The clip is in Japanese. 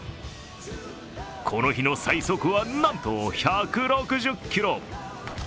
この日の最速はなんと、１６０キロ。